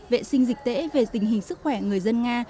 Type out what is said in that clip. vệ sinh dịch tễ về tình hình sức khỏe người dân nga